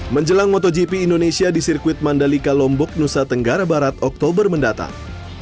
menjelang motogp indonesia di sirkuit mandalika lombok nusa tenggara barat oktober mendatang